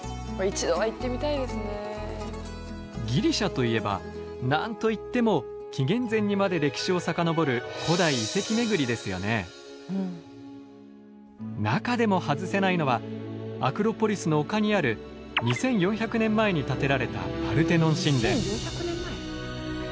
ギリシャといえば何と言っても紀元前にまで歴史を遡る中でも外せないのはアクロポリスの丘にある２，４００年前に建てられた２，４００年前！？